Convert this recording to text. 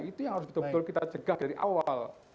itu yang harus kita cegah dari awal